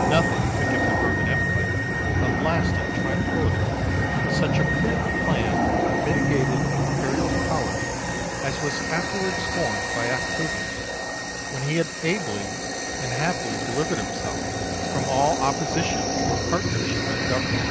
Nothing could give the Roman Empire a lasting tranquillity but such a prudent plan of a mitigated imperial power as was afterwards formed by Octavius, when he had ably and happily delivered himself from all opposition and partnership in the government.